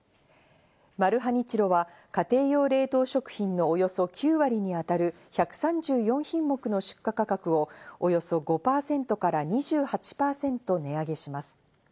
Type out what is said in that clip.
マルハニチロは家庭用冷凍食品のおよそ９割にあたる１３４品目の出荷価格をおよそ５％から２８％値上げします。